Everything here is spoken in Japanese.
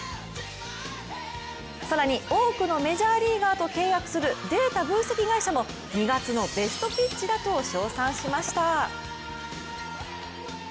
更に、多くのメジャーリーガーと契約するデータ分析会社も２月のベストピッチだと称賛しました。